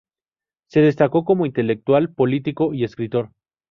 Se destacó como intelectual, político y escritor.